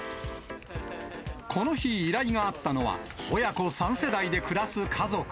この日、依頼があったのは、親子３世代で暮らす家族。